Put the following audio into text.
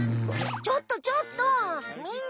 ちょっとちょっとみんな！